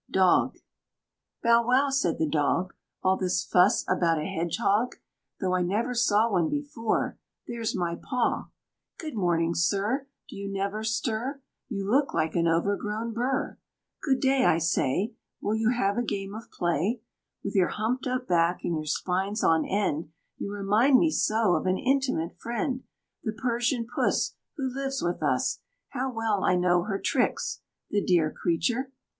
DOG. "Bow wow!" said the Dog: "All this fuss about a Hedgehog? Though I never saw one before There's my paw! Good morning, Sir! Do you never stir? You look like an overgrown burr. Good day, I say: Will you have a game of play? With your humped up back and your spines on end, You remind me so of an intimate friend, The Persian Puss Who lives with us. How well I know her tricks! The dear creature!